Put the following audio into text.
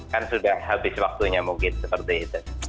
kan sudah habis waktunya mungkin seperti itu